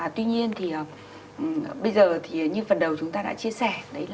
tuy nhiên thì bây giờ như phần đầu chúng ta đã chia sẻ